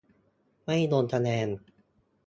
ไม่ลงคะแนน